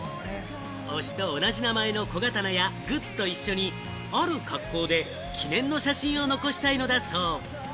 推しと同じ名前の小刀やグッズと一緒に、ある格好で記念の写真を残したいのだそう。